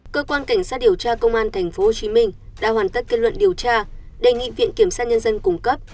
cơ quan cảnh sát điều tra công an tp hcm đã hoàn tất kết luận điều tra đề nghị viện kiểm sát nhân dân cung cấp